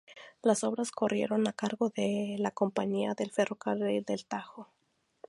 Las obras corrieron a cargo de la Compañía del Ferrocarril del Tajo.